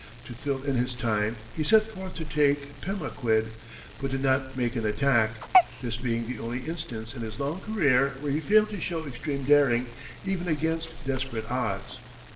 To fill in his time he set forth to take Pemaquid, but did not make an attack, this being the only instance in his long career where he failed to show extreme daring, even against desperate odds.